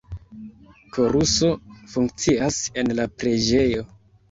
Koruso funkcias en la preĝejo.